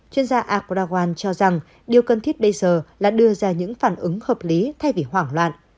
chuyên gia akrawan cho rằng điều cần thiết bây giờ là đưa ra những phản ứng hợp lý thay vì hoảng loạn